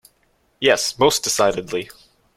Yes, most decidedly.